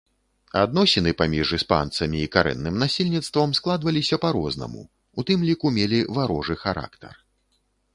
Адносіны паміж іспанцамі і карэнным насельніцтвам складваліся па-рознаму, у тым ліку мелі варожы характар.